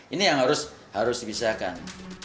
ini yang harus dibisarkan